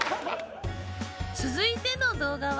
続いての動画は。